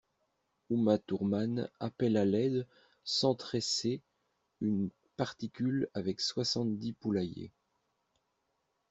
Uma Thurman appelle à l'aide sans tresser une particule avec soixante-dix poulaillers.